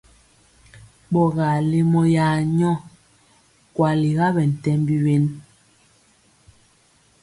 Ɓɔgaa lemɔ ya nyɔ, kwaliga ɓɛntɛmbi wen.